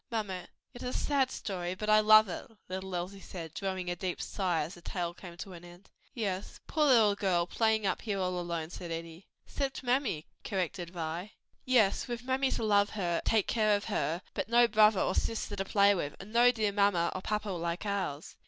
"Mamma, it is a sad story; but I love it," little Elsie said, drawing a deep sigh, as the tale came to an end. "Yes, poor little girl, playing up here all alone," said Eddie. "'Cept mammy," corrected Vi. "Yes, mammy to love her and take care of her, but no brother or sister to play with, and no dear mamma or papa like ours."